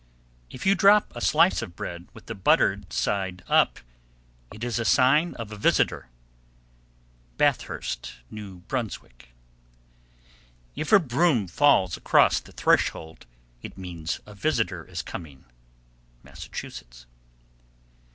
_ 737. If you drop a slice of bread with the buttered side up, it is a sign of a visitor. Bathurst, N.B. 738. If a broom falls across the threshold, it means a visitor is coming. _Massachusetts.